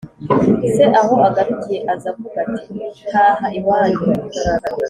se aho agarukiye aza avuga ati “taha iwanyu